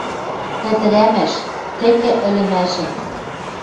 Ӹдӹрӓмӓш! Тӹкӹ ӹлӹмӓшӹн!